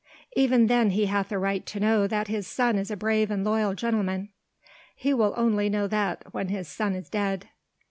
"Even then he hath a right to know that his son is a brave and loyal gentleman." "He will only know that when his son is dead."